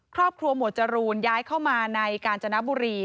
ครอบครัวหมวดจรูนย้ายเข้ามาในกาญจนบุรี